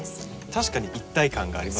確かに一体感がありますね。